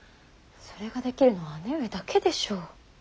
それができるのは姉上だけでしょう。